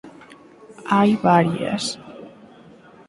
Hai varias.